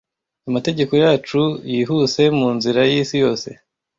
Amategeko yacu yihuse mu nzira yisi yose,